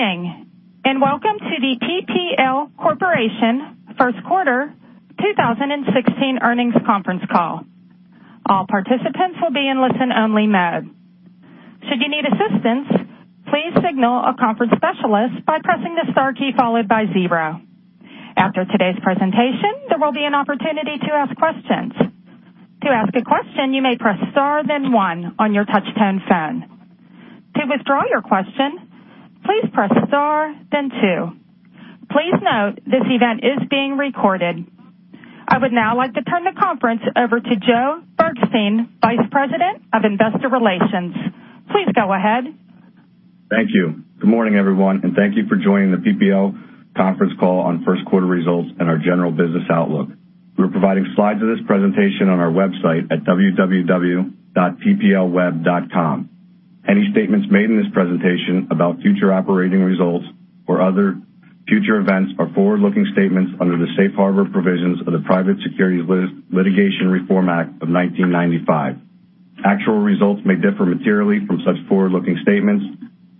Good morning, welcome to the PPL Corporation First Quarter 2016 Earnings Conference Call. All participants will be in listen-only mode. Should you need assistance, please signal a conference specialist by pressing the star key followed by 0. After today's presentation, there will be an opportunity to ask questions. To ask a question, you may press star, then 1 on your touch-tone phone. To withdraw your question, please press star, then 2. Please note, this event is being recorded. I would now like to turn the conference over to Joe Bergstein, Vice President of Investor Relations. Please go ahead. Thank you. Good morning, everyone, thank you for joining the PPL conference call on first quarter results and our general business outlook. We're providing slides of this presentation on our website at www.pplweb.com. Any statements made in this presentation about future operating results or other future events are forward-looking statements under the safe harbor provisions of the Private Securities Litigation Reform Act of 1995. Actual results may differ materially from such forward-looking statements.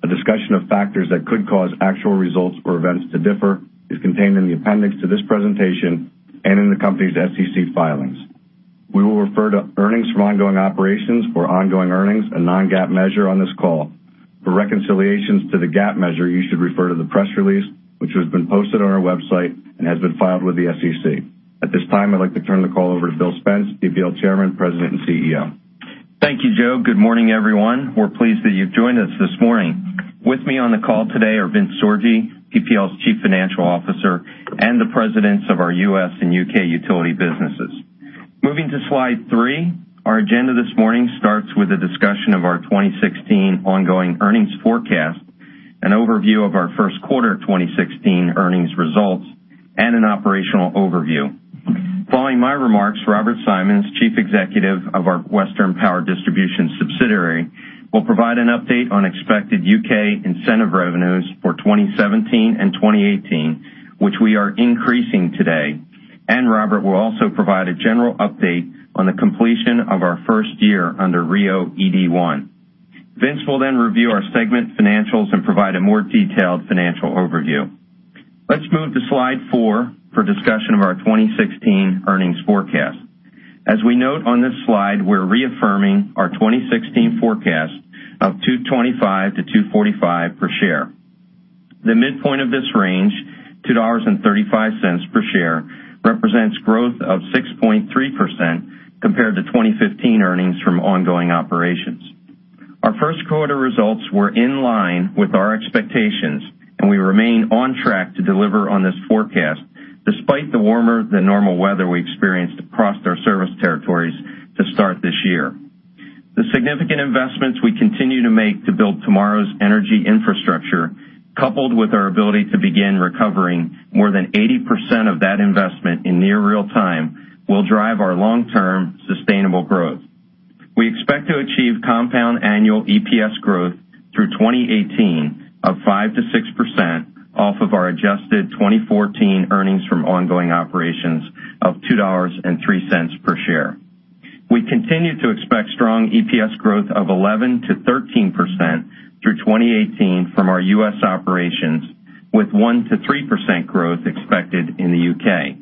A discussion of factors that could cause actual results or events to differ is contained in the appendix to this presentation and in the company's SEC filings. We will refer to earnings from ongoing operations for ongoing earnings, a non-GAAP measure on this call. For reconciliations to the GAAP measure, you should refer to the press release, which has been posted on our website and has been filed with the SEC. At this time, I'd like to turn the call over to William Spence, PPL Chairman, President, and CEO. Thank you, Joe. Good morning, everyone. We're pleased that you've joined us this morning. With me on the call today are Vince Sorgi, PPL's Chief Financial Officer, and the presidents of our U.S. and U.K. utility businesses. Moving to slide three, our agenda this morning starts with a discussion of our 2016 ongoing earnings forecast, an overview of our first quarter 2016 earnings results, and an operational overview. Following my remarks, Robert Symons, Chief Executive of our Western Power Distribution subsidiary, will provide an update on expected U.K. incentive revenues for 2017 and 2018, which we are increasing today. Robert will also provide a general update on the completion of our first year under RIIO-ED1. Vince will review our segment financials and provide a more detailed financial overview. Let's move to slide four for discussion of our 2016 earnings forecast. As we note on this slide, we're reaffirming our 2016 forecast of $2.25-$2.45 per share. The midpoint of this range, $2.35 per share, represents growth of 6.3% compared to 2015 earnings from ongoing operations. Our first quarter results were in line with our expectations, we remain on track to deliver on this forecast, despite the warmer than normal weather we experienced across our service territories to start this year. The significant investments we continue to make to build tomorrow's energy infrastructure, coupled with our ability to begin recovering more than 80% of that investment in near real time, will drive our long-term sustainable growth. We expect to achieve compound annual EPS growth through 2018 of 5%-6% off of our adjusted 2014 earnings from ongoing operations of $2.03 per share. We continue to expect strong EPS growth of 11%-13% through 2018 from our U.S. operations, with 1%-3% growth expected in the U.K.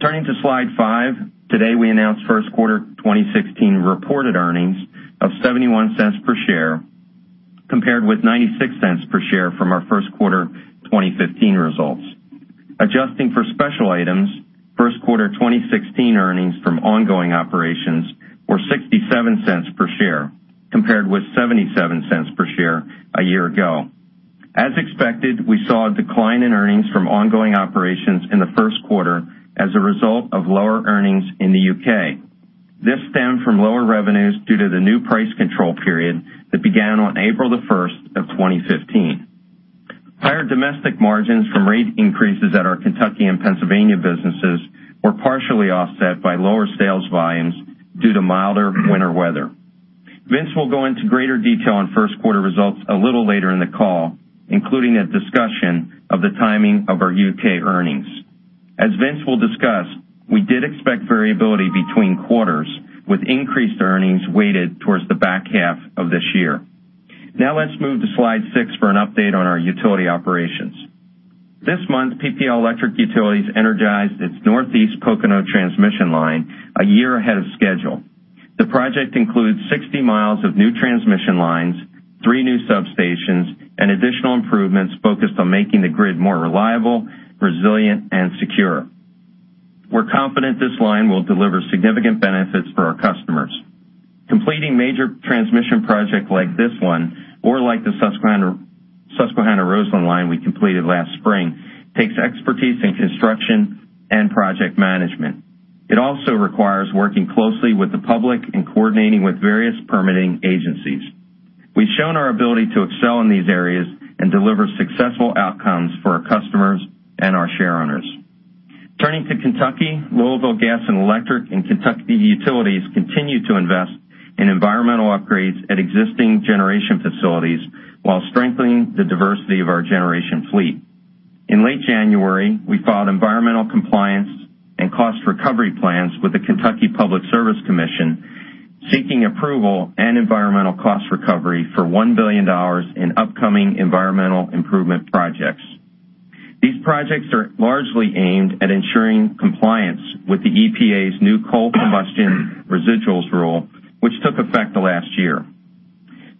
Turning to slide five. Today, we announced first quarter 2016 reported earnings of $0.71 per share, compared with $0.96 per share from our first quarter 2015 results. Adjusting for special items, first quarter 2016 earnings from ongoing operations were $0.67 per share, compared with $0.77 per share a year ago. As expected, we saw a decline in earnings from ongoing operations in the first quarter as a result of lower earnings in the U.K. This stemmed from lower revenues due to the new price control period that began on April 1st of 2015. Higher domestic margins from rate increases at our Kentucky and Pennsylvania businesses were partially offset by lower sales volumes due to milder winter weather. Vince will go into greater detail on first quarter results a little later in the call, including a discussion of the timing of our U.K. earnings. As Vince will discuss, we did expect variability between quarters, with increased earnings weighted towards the back half of this year. Let's move to slide six for an update on our utility operations. This month, PPL Electric Utilities energized its Northeast-Pocono transmission line a year ahead of schedule. The project includes 60 miles of new transmission lines, three new substations, and additional improvements focused on making the grid more reliable, resilient, and secure. We're confident this line will deliver significant benefits for our customers. Completing major transmission projects like this one or like the Susquehanna-Roseland line we completed last spring, takes expertise in construction and project management. It also requires working closely with the public and coordinating with various permitting agencies. We've shown our ability to excel in these areas and deliver successful outcomes for our customers and our share owners. Turning to Kentucky, Louisville Gas & Electric and Kentucky Utilities continue to invest in environmental upgrades at existing generation facilities while strengthening the diversity of our generation fleet. In late January, we filed environmental compliance and cost recovery plans with the Kentucky Public Service Commission, seeking approval and environmental cost recovery for $1 billion in upcoming environmental improvement projects. These projects are largely aimed at ensuring compliance with the EPA's new Coal Combustion Residuals rule, which took effect last year.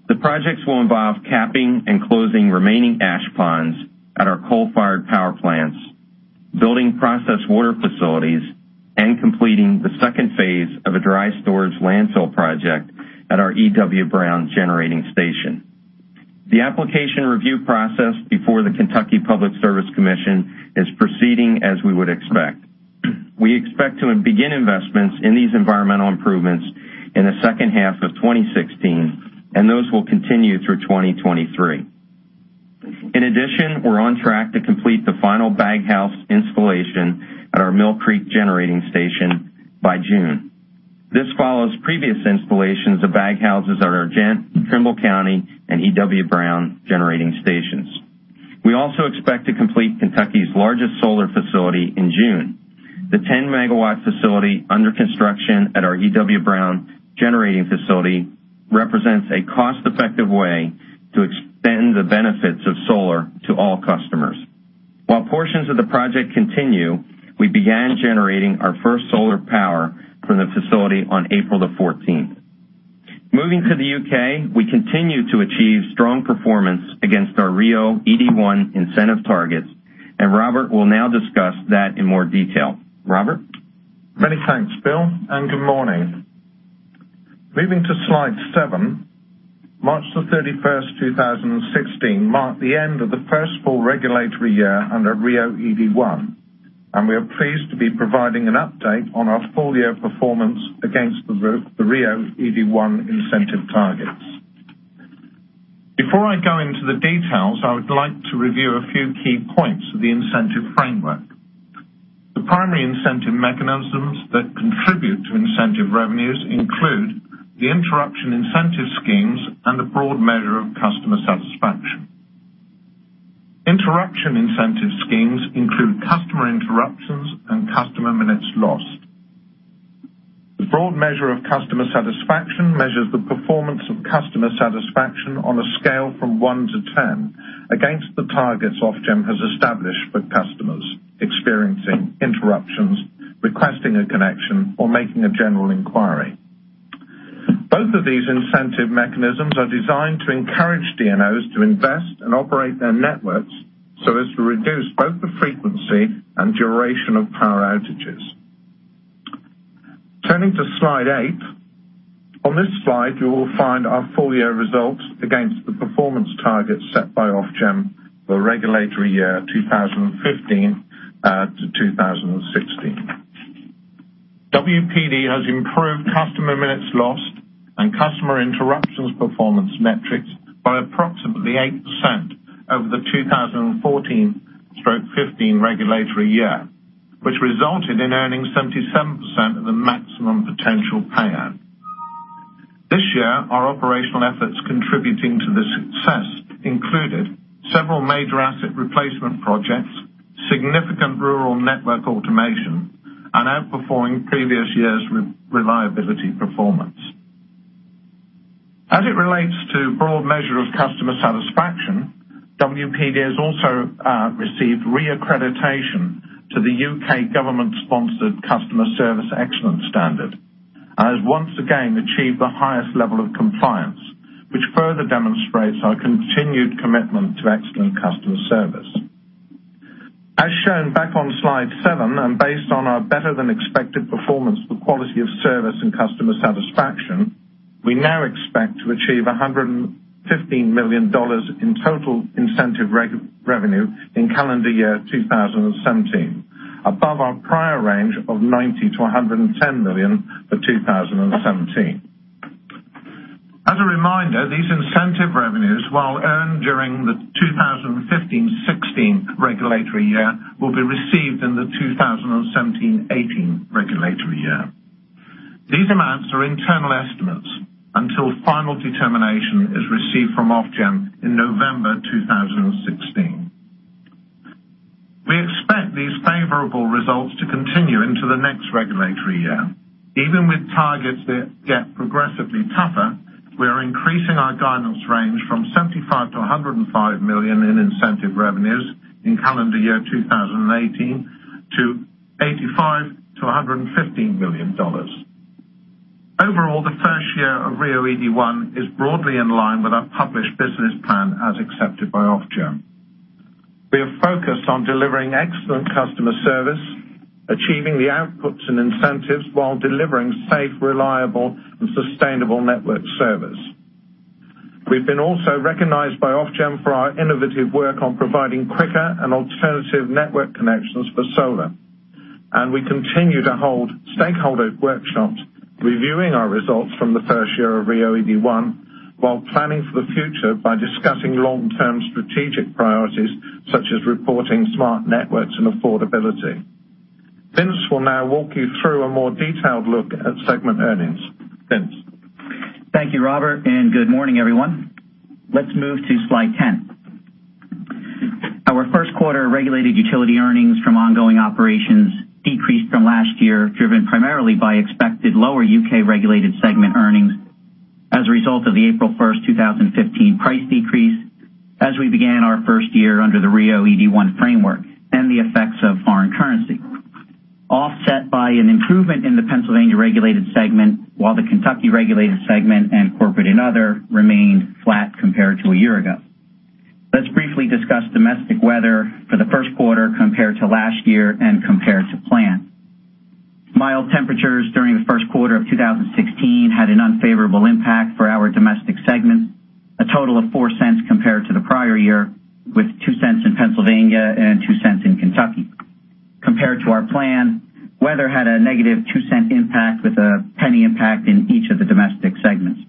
The projects will involve capping and closing remaining ash ponds at our coal-fired power plants, building process water facilities, and completing the second phase of a dry storage landfill project at our E.W. Brown generating station. The application review process before the Kentucky Public Service Commission is proceeding as we would expect. We expect to begin investments in these environmental improvements in the second half of 2016, and those will continue through 2023. In addition, we are on track to complete the final bag house installation at our Mill Creek generating station by June. This follows previous installations of bag houses at our Ghent, Trimble County, and E.W. Brown generating stations. We also expect to complete Kentucky's largest solar facility in June. The 10 MW facility under construction at our E.W. Brown generating facility represents a cost-effective way to extend the benefits of solar to all customers. While portions of the project continue, we began generating our first solar power from the facility on April the 14th. Moving to the U.K., we continue to achieve strong performance against our RIIO-ED1 incentive targets, and Robert will now discuss that in more detail. Robert? Many thanks, Bill, and good morning. Moving to Slide seven. March the 31st, 2016, marked the end of the first full regulatory year under RIIO-ED1, and we are pleased to be providing an update on our full-year performance against the RIIO-ED1 incentive targets. Before I go into the details, I would like to review a few key points of the incentive framework. The primary incentive mechanisms that contribute to incentive revenues include the interruption incentive schemes and the broad measure of customer satisfaction. Interruption incentive schemes include customer interruptions and customer minutes lost. The broad measure of customer satisfaction measures the performance of customer satisfaction on a scale from one to 10 against the targets Ofgem has established for customers experiencing interruptions, requesting a connection, or making a general inquiry. Both of these incentive mechanisms are designed to encourage DNOs to invest and operate their networks so as to reduce both the frequency and duration of power outages. Turning to Slide eight. On this slide, you will find our full-year results against the performance targets set by Ofgem for regulatory year 2015 to 2016. WPD has improved customer minutes lost and customer interruptions performance metrics by approximately 8% over the 2014-15 regulatory year, which resulted in earning 77% of the maximum potential payout. This year, our operational efforts contributing to the success included several major asset replacement projects, significant rural network automation, and outperforming previous years' reliability performance. As it relates to broad measure of customer satisfaction, WPD has also received reaccreditation to the U.K. government-sponsored Customer Service Excellence Standard and has once again achieved the highest level of compliance, which further demonstrates our continued commitment to excellent customer service. As shown back on slide 7 and based on our better-than-expected performance for quality of service and customer satisfaction, we now expect to achieve $115 million in total incentive revenue in calendar year 2017, above our prior range of $90 million-$110 million for 2017. As a reminder, these incentive revenues, while earned during the 2015-2016 regulatory year, will be received in the 2017-2018 regulatory year. These amounts are internal estimates until final determination is received from Ofgem in November 2016. We expect these favorable results to continue into the next regulatory year. Even with targets that get progressively tougher, we are increasing our guidance range from $75 million-$105 million in incentive revenues in calendar year 2018 to $85 million-$115 million. Overall, the first year of RIIO-ED1 is broadly in line with our published business plan as accepted by Ofgem. We are focused on delivering excellent customer service, achieving the outputs and incentives while delivering safe, reliable, and sustainable network service. We have been also recognized by Ofgem for our innovative work on providing quicker and alternative network connections for solar, and we continue to hold stakeholder workshops reviewing our results from the first year of RIIO-ED1 while planning for the future by discussing long-term strategic priorities such as reporting smart networks and affordability. Vince will now walk you through a more detailed look at segment earnings. Vince? Thank you, Robert, and good morning, everyone. Let's move to slide 10. Our first quarter regulated utility earnings from ongoing operations decreased from last year, driven primarily by expected lower U.K.-regulated segment earnings as a result of the April 1, 2015, price decrease, as we began our first year under the RIIO-ED1 framework and the effects of foreign currency, offset by an improvement in the Pennsylvania regulated segment, while the Kentucky regulated segment and corporate and other remained flat compared to a year ago. Let's briefly discuss domestic weather for the first quarter compared to last year and compared to plan. Mild temperatures during the first quarter of 2016 had an unfavorable impact for our domestic segment, a total of $0.04 compared to the prior year, with $0.02 in Pennsylvania and $0.02 in Kentucky. Compared to our plan, weather had a negative $0.02 impact, with a $0.01 impact in each of the domestic segments.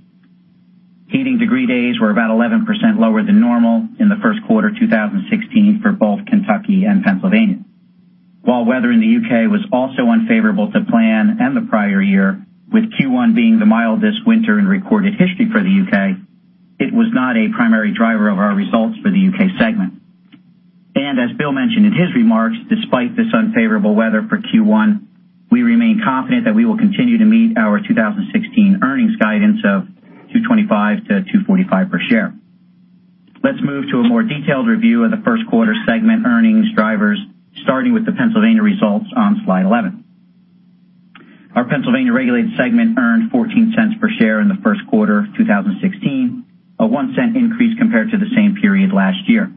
Heating degree days were about 11% lower than normal in the first quarter 2016 for both Kentucky and Pennsylvania. While weather in the U.K. was also unfavorable to plan and the prior year, with Q1 being the mildest winter in recorded history for the U.K., it was not a primary driver of our results for the U.K. segment. As Bill mentioned in his remarks, despite this unfavorable weather for Q1, we remain confident that we will continue to meet our 2016 earnings guidance of $2.25-$2.45 per share. Let's move to a more detailed review of the first quarter segment earnings drivers, starting with the Pennsylvania results on slide 11. Our Pennsylvania regulated segment earned $0.14 per share in the first quarter of 2016, a $0.01 increase compared to the same period last year.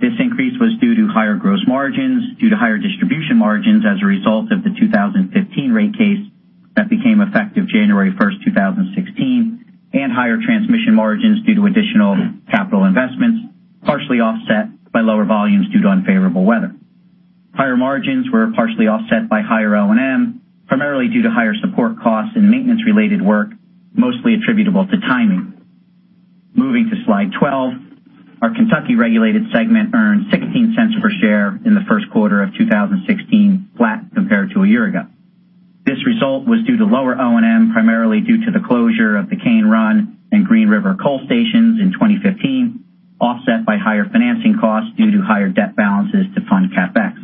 This increase was due to higher gross margins due to higher distribution margins as a result of the 2015 rate case that became effective January 1, 2016, and higher transmission margins due to additional capital investments, partially offset by lower volumes due to unfavorable weather. Higher margins were partially offset by higher O&M, primarily due to higher support costs and maintenance-related work, mostly attributable to timing. Moving to slide 12. Our Kentucky regulated segment earned $0.16 per share in the first quarter of 2016, flat compared to a year ago. This result was due to lower O&M, primarily due to the closure of the Cane Run and Green River coal stations in 2015, offset by higher financing costs due to higher debt balances to fund CapEx.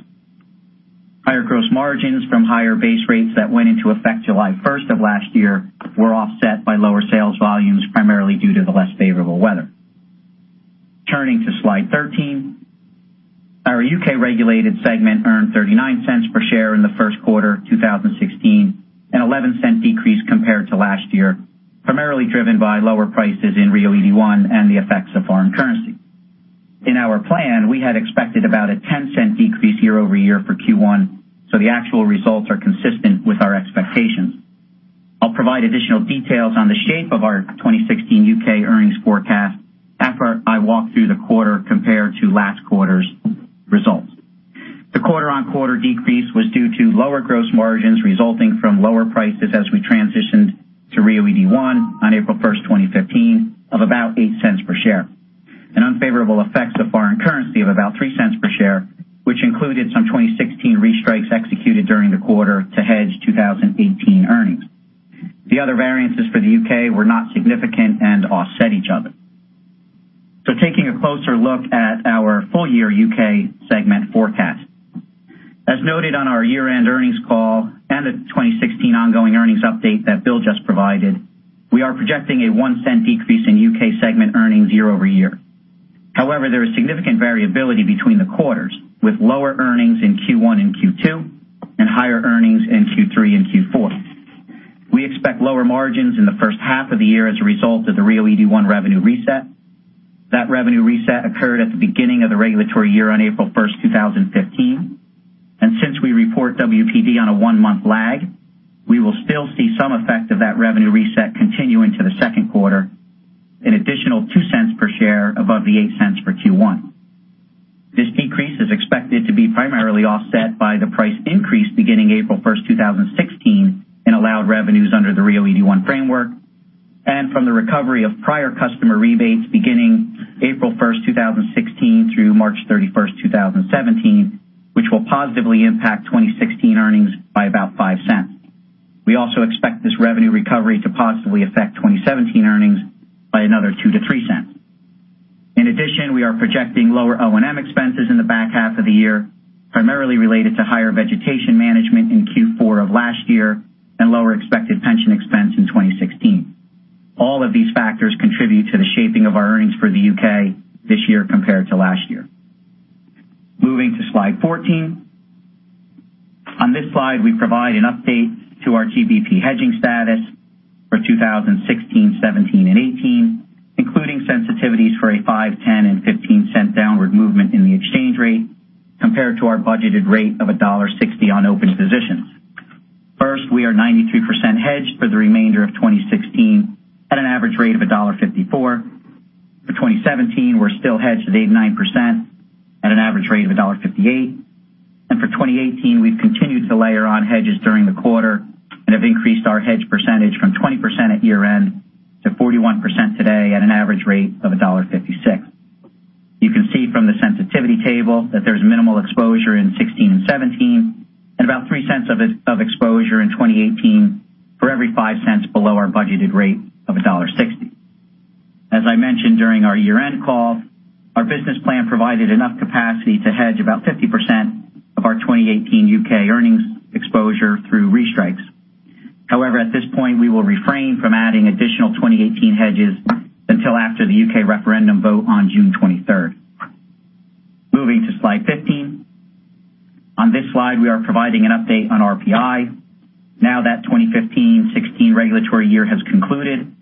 Higher gross margins from higher base rates that went into effect July 1 of last year were offset by lower sales volumes, primarily due to the less favorable weather. Turning to slide 13. Our U.K.-regulated segment earned 0.39 per share in the first quarter 2016, a 0.11 decrease compared to last year, primarily driven by lower prices in RIIO-ED1 and the effects of foreign currency. In our plan, we had expected about a 0.10 decrease year-over-year for Q1, so the actual results are consistent with our expectations. I'll provide additional details on the shape of our 2016 U.K. earnings forecast after I walk through the quarter compared to last quarter's results. The quarter-on-quarter decrease was due to lower gross margins resulting from lower prices as we transitioned to RIIO-ED1 on April 1, 2015, of about 0.08 per share, and unfavorable effects of foreign currency of about 0.03 per share, which included some 2016 restrikes executed during the quarter to hedge 2018 earnings. The other variances for the U.K. were not significant and offset each other. Taking a closer look at our full-year U.K. segment forecast. As noted on our year-end earnings call and the 2016 ongoing earnings update that Bill just provided, we are projecting a 0.01 decrease in U.K. segment earnings year-over-year. However, there is significant variability between the quarters, with lower earnings in Q1 and Q2 and higher earnings in Q3 and Q4. We expect lower margins in the first half of the year as a result of the RIIO-ED1 revenue reset. That revenue reset occurred at the beginning of the regulatory year on April 1, 2015. Since we report WPD on a one-month lag, we will still see some effect of that revenue reset continue into the second quarter, an additional 0.02 per share above the 0.08 for Q1. This decrease is expected to be primarily offset by the price increase beginning April 1, 2016, in allowed revenues under the RIIO-ED1 framework and from the recovery of prior customer rebates beginning April 1, 2016 through March 31, 2017, which will positively impact 2016 earnings by about 0.05. We also expect this revenue recovery to positively affect 2017 earnings by another 0.02-0.03. In addition, we are projecting lower O&M expenses in the back half of the year, primarily related to higher vegetation management in Q4 of last year and lower expected pension expense in 2016. All of these factors contribute to the shaping of our earnings for the U.K. this year compared to last year. Moving to slide 14. On this slide, we provide an update to our GBP hedging status for 2016, 2017, and 2018, including sensitivities for a $0.05, $0.10, and $0.15 downward movement in the exchange rate compared to our budgeted rate of $1.60 on open positions. First, we are 92% hedged for the remainder of 2016 at an average rate of $1.54. For 2017, we're still hedged at 89% at an average rate of $1.58. For 2018, we've continued to layer on hedges during the quarter and have increased our hedge percentage from 20% at year-end to 41% today at an average rate of $1.56. You can see from the sensitivity table that there's minimal exposure in 2016 and 2017, and about $0.03 of exposure in 2018 for every $0.05 below our budgeted rate of $1.60. As I mentioned during our year-end call, our business plan provided enough capacity to hedge about 50% of our 2018 U.K. earnings exposure through restrikes. However, at this point, we will refrain from adding additional 2018 hedges until after the U.K. referendum vote on June 23rd. Moving to slide 15. On this slide, we are providing an update on RPI. Now that 2015-2016 regulatory year has concluded,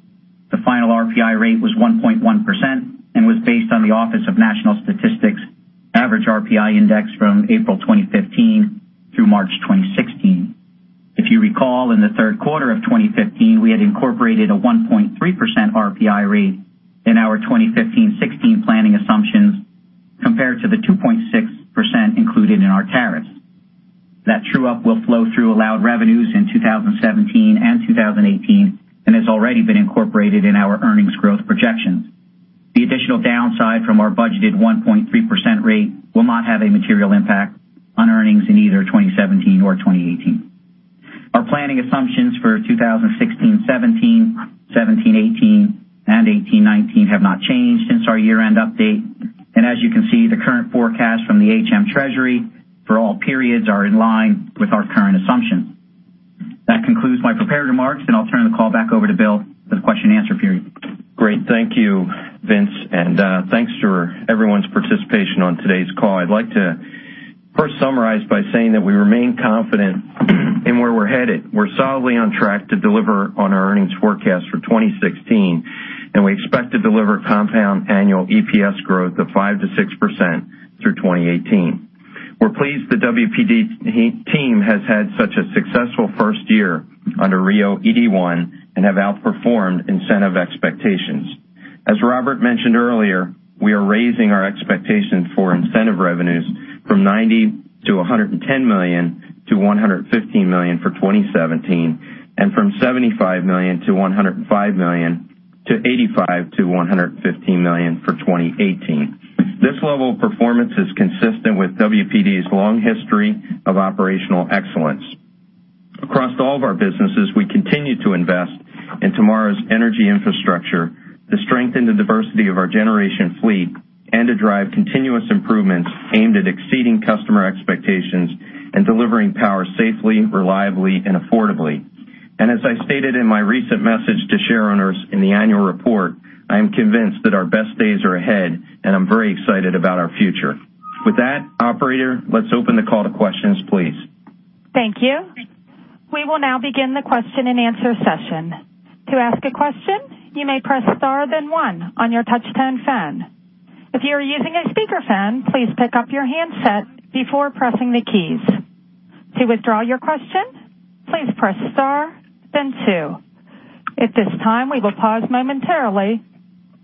the final RPI rate was 1.1% and was based on the Office for National Statistics average RPI index from April 2015 through March 2016. If you recall, in the third quarter of 2015, we had incorporated a 1.3% RPI rate in our 2015-2016 planning assumptions compared to the 2.6% included in our tariffs. That true-up will flow through allowed revenues in 2017 and 2018, and has already been incorporated in our earnings growth projections. The additional downside from our budgeted 1.3% rate will not have a material impact on earnings in either 2017 or 2018. Our planning assumptions for 2016-2017, 2017-2018, and 2018-2019 have not changed since our year-end update. As you can see, the current forecast from the HM Treasury for all periods are in line with our current assumptions. That concludes my prepared remarks, and I'll turn the call back over to Bill for the question and answer period. Great. Thank you, Vince, and thanks for everyone's participation on today's call. I'd like to first summarize by saying that we remain confident in where we're headed. We're solidly on track to deliver on our earnings forecast for 2016, and we expect to deliver compound annual EPS growth of 5%-6% through 2018. We're pleased the WPD team has had such a successful first year under RIIO-ED1 and have outperformed incentive expectations. As Robert mentioned earlier, we are raising our expectations for incentive revenues from $90 million-$110 million to $115 million for 2017, and from $75 million-$105 million to $85 million-$115 million for 2018. This level of performance is consistent with WPD's long history of operational excellence. Across all of our businesses, we continue to invest in tomorrow's energy infrastructure to strengthen the diversity of our generation fleet and to drive continuous improvements aimed at exceeding customer expectations and delivering power safely, reliably, and affordably. As I stated in my recent message to shareowners in the annual report, I am convinced that our best days are ahead, and I'm very excited about our future. With that, operator, let's open the call to questions, please. Thank you. We will now begin the question-and-answer session. To ask a question, you may press star, then one on your touch-tone phone. If you are using a speakerphone, please pick up your handset before pressing the keys. To withdraw your question, please press star, then two. At this time, we will pause momentarily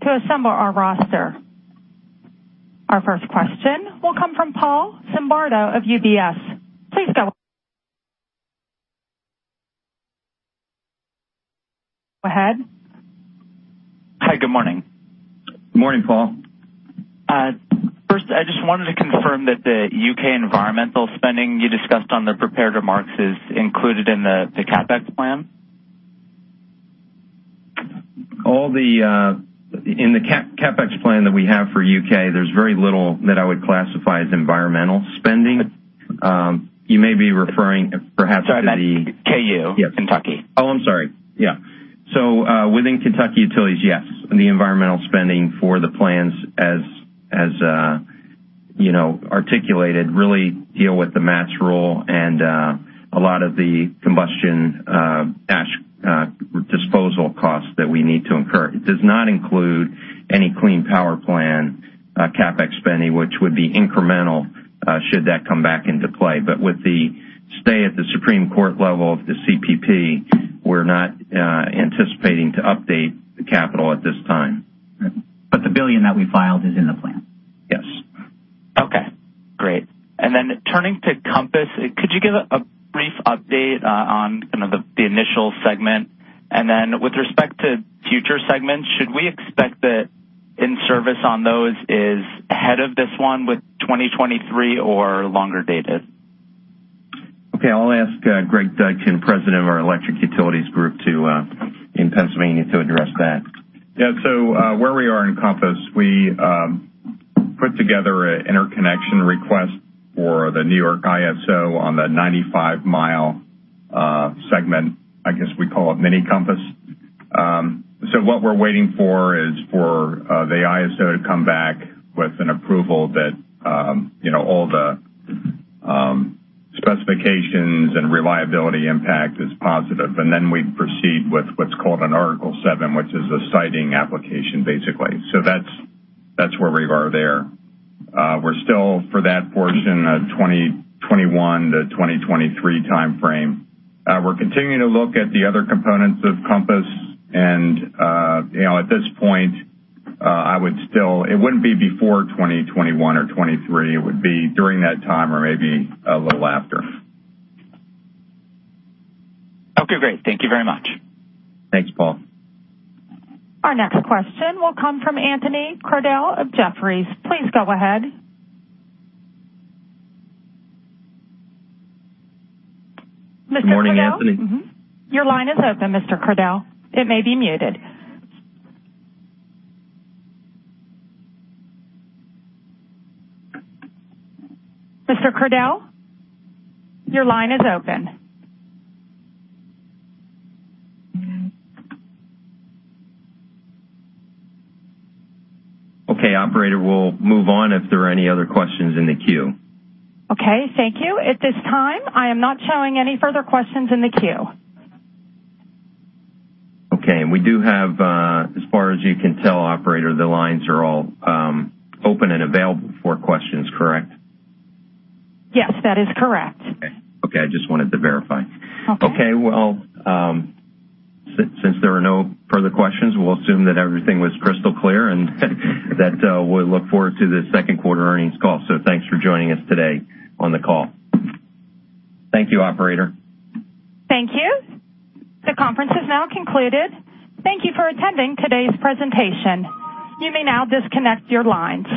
to assemble our roster. Our first question will come from Paul Zimbardo of UBS. Please go ahead. Hi. Good morning. Morning, Paul. First, I just wanted to confirm that the U.K. environmental spending you discussed on the prepared remarks is included in the CapEx plan? In the CapEx plan that we have for U.K., there's very little that I would classify as environmental spending. Sorry, I meant KU, Kentucky. Oh, I'm sorry. Yeah. Within Kentucky Utilities, yes. The environmental spending for the plans as articulated really deal with the MATS rule and a lot of the combustion ash disposal costs that we need to incur. It does not include any Clean Power Plan CapEx spending, which would be incremental should that come back into play. With the stay at the Supreme Court level of the CPP, we're not anticipating to update the capital at this time. The $1 billion that we filed is in the plan. Yes. Okay, great. Turning to Compass. Could you give a brief update on kind of the initial segment? With respect to future segments, should we expect that in-service on those is ahead of this one with 2023 or longer dated? Okay. I'll ask Greg Dudkin, president of our electric utilities group in Pennsylvania, to address that. Yeah. Where we are in Compass, we put together an interconnection request for the New York ISO on the 95-mile segment, I guess we call it mini-Compass. What we're waiting for is for the ISO to come back with an approval that all the specifications and reliability impact is positive, then we proceed with what's called an Article VII, which is a siting application, basically. That's where we are there. We're still for that portion, 2021 to 2023 timeframe. We're continuing to look at the other components of Compass, at this point, it wouldn't be before 2021 or 2023. It would be during that time or maybe a little after. Okay, great. Thank you very much. Thanks, Paul. Our next question will come from Anthony Crowdell of Jefferies. Please go ahead. Mr. Crowdell? Morning, Anthony. Your line is open, Mr. Crowdell. It may be muted. Mr. Crowdell, your line is open. Okay, operator, we'll move on if there are any other questions in the queue. Okay, thank you. At this time, I am not showing any further questions in the queue. Okay. As far as you can tell, operator, the lines are all open and available for questions, correct? Yes, that is correct. Okay. I just wanted to verify. Okay. Okay. Well, since there are no further questions, we'll assume that everything was crystal clear, and that we'll look forward to the second quarter earnings call. Thanks for joining us today on the call. Thank you, operator. Thank you. The conference is now concluded. Thank you for attending today's presentation. You may now disconnect your lines.